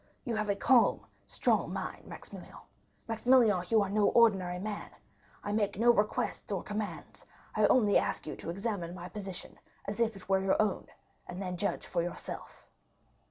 You have a calm, strong mind, Maximilian. Maximilian, you are no ordinary man. I make no requests or commands; I only ask you to examine my position as if it were your own, and then judge for yourself."